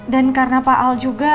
dan karena pak al juga